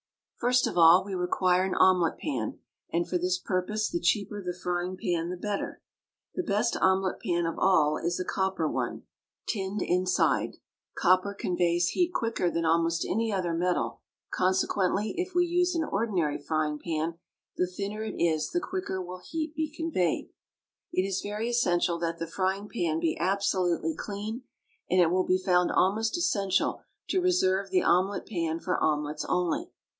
First of all, we require an omelet pan, and for this purpose the cheaper the frying pan the better. The best omelet pan of all is a copper one, tinned inside. Copper conveys heat quicker than almost any other metal; consequently, if we use an ordinary frying pan, the thinner it is the quicker will heat be conveyed. It is very essential that the frying pan be absolutely clean, and it will be found almost essential to reserve the omelet pan for omelets only.